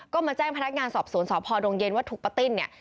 ก็มาแจ้งพนักงานสอบสวนสพดงเย็นว่าถูกป้าติ้นเนี่ย